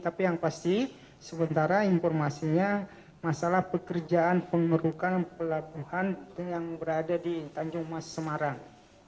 tapi yang pasti sementara informasinya masalah pekerjaan pengerukan pelabuhan yang berada di tanjung mas semarang